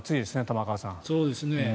玉川さん。